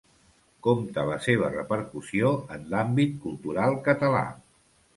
Compte la seva repercussió en l'àmbit cultural català.